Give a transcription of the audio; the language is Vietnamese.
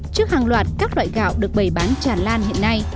trước hàng loạt các loại gạo được bày bán tràn lan hiện nay